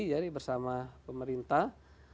jadi bersama pemerintah